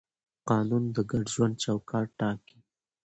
قانون د ګډ ژوند چوکاټ ټاکي.